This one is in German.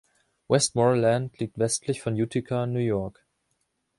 Westmoreland liegt westlich von Utica, New York.